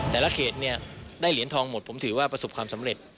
แต่ละเขตเนี่ยได้เหรียญทองหมดผมถือว่าประสบความสำเร็จ